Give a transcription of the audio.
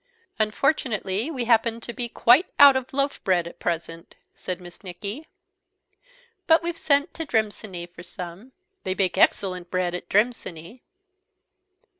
"Unfortunately, we happen be quite out of loaf bread at present," said Miss Nicky; "but we've sent to Drymsine for some. They bake excellent bread at Drymsine."